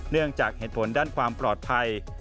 เนื่องจากเหตุผลด้านความปลอดภัย